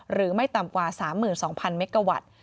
หรือไม่ต่ำกว่า๓๒๐๐เมกาวัตต์